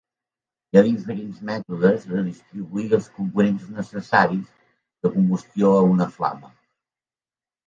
Hi ha diferents mètodes de distribuir els components necessaris de combustió a una flama.